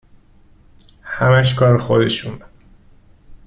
همش کار خودشونه